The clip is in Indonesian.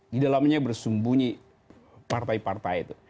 di dalamnya bersembunyi partai partai itu